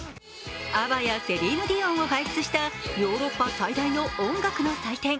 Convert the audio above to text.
ＡＢＢＡやセリーヌ・ディオンを輩出したヨーロッパ最大の音楽の祭典